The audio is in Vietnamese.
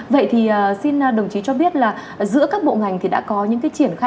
vậy thì xin đồng chí cho biết là giữa các bộ ngành thì đã có những cái triển khai